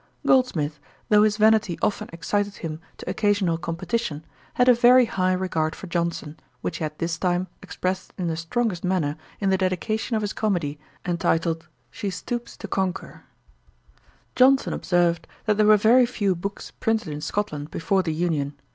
Goldsmith, though his vanity often excited him to occasional competition, had a very high regard for Johnson, which he at this time expressed in the strongest manner in the Dedication of his comedy, entitled, She Stoops to Conquer. Johnson observed, that there were very few books printed in Scotland before the Union.